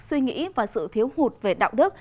suy nghĩ và sự thiếu hụt về đạo đức